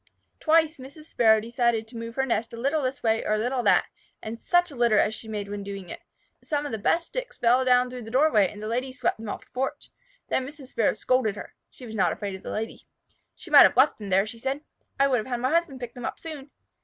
Twice Mrs. Sparrow decided to move her nest a little this way or a little that, and such a litter as she made when doing it! Some of the best sticks fell down through the doorway, and the Lady swept them off the porch. Then Mrs. Sparrow scolded her. She was not afraid of a Lady. "She might have left them there," she said. "I would have had my husband pick them up soon.